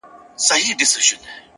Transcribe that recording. مثبت ذهن پر امکاناتو باور لري!.